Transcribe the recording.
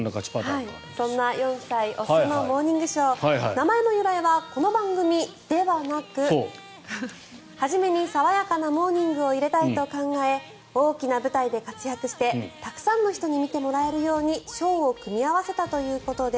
そんな４歳雄のモーニングショー名前の由来はこの番組ではなく初めに爽やかなモーニングを入れたいと考え大きな舞台で活躍してたくさんの人に見てもらえるようにショーを組み合わせたということです。